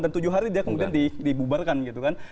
dan tujuh hari dia kemudian dibubarkan gitu kan